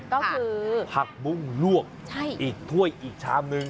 ก็คือผักบุ้งลวกอีกถ้วยอีกชามนึง